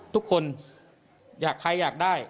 ทุกคนใครอยากได้